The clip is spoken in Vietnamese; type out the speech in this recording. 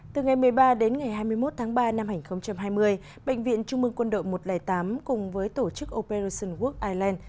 từ ngày một mươi ba đến ngày hai mươi một tháng ba năm hai nghìn hai mươi bệnh viện trung mương quân đội một trăm linh tám cùng với tổ chức operation work ireland